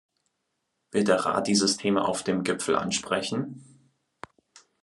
Wird der Rat dieses Thema auf dem Gipfel ansprechen?